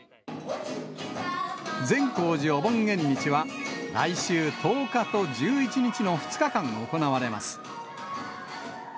善光寺お盆縁日は、来週１０日と１１日の２日間行われます。